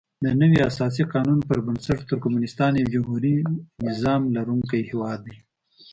دنوي اساسي قانون پر بنسټ ترکمنستان یو جمهوري نظام لرونکی هیواد دی.